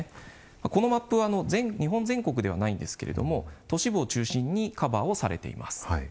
このマップは日本全国ではないんですけれども都市部を中心にカバーをされています。